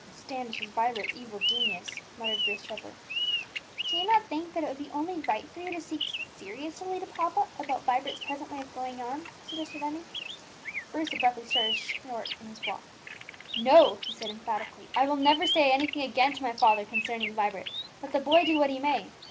"Standish is Vibert's evil genius," muttered Bruce Trevor. "Do you not think that it would be only right for you to speak seriously to papa about Vibert's present way of going on?" suggested Emmie. Bruce abruptly stopped short in his walk. "No," he replied emphatically; "I will never say anything again to my father concerning Vibert, let the boy do what he may.